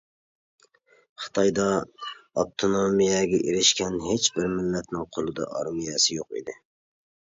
خىتايدا ئاپتونومىيەگە ئېرىشكەن ھېچ بىر مىللەتنىڭ قولىدا ئارمىيەسى يوق ئىدى.